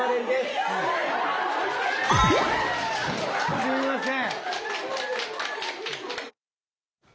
すいません。